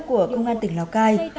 của công an tỉnh lào cai